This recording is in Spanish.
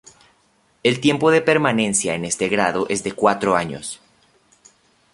El tiempo de permanencia en este grado es de cuatro años.